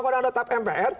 kalau ada tahap mpr